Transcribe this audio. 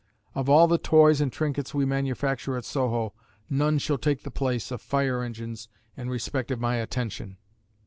Of all the toys and trinkets we manufacture at Soho, none shall take the place of fire engines in respect of my attention.